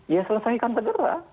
ya selesaikan segera